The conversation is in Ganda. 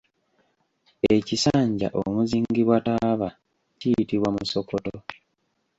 Ekisanja omuzingibwa taaba kiyitibwa Musokoto.